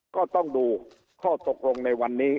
ก็ต้องดูข้อตกลงในวันนี้